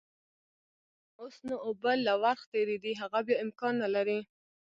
اوس نو اوبه له ورخ تېرې دي، هغه بيا امکان نلري.